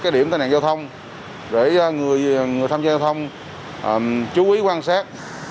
cái điểm tai nạn giao thông để người tham gia giao thông chú ý quan sát